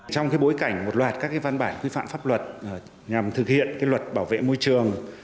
trong bối cảnh một loạt các văn bản quy phạm pháp luật nhằm thực hiện luật bảo vệ môi trường